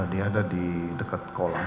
dia ada di dekat kolam